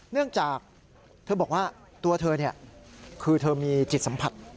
เนื่องจากเธอบอกว่าตัวเธอคือเธอมีจิตสัมผัส